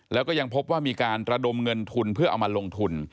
แล้วก็ยังพบว่ามีการระดมเงินทุนเพื่อเอามาลงทุน